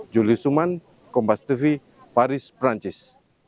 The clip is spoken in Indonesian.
juli suman kompas tv paris perancis